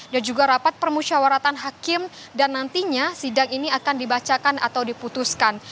dan juga rapat permusyawaratan hakim dan nantinya sidang ini akan dibacakan atau diputuskan